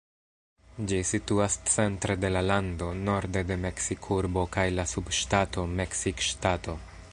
Ĝi situas centre de la lando, norde de Meksikurbo kaj la subŝtato Meksikŝtato.